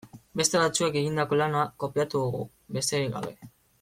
Beste batzuek egindako lana kopiatu dugu, besterik gabe.